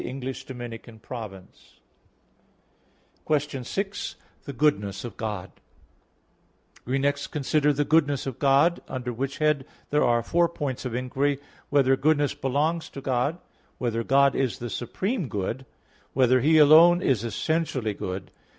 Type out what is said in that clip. _______________________ QUESTION 6 THE GOODNESS OF GOD (In Four Articles) We next consider the goodness of God; under which head there are four points of inquiry: (1) Whether goodness belongs to God? (2) Whether God is the supreme good? (3) Whether He alone is essentially good?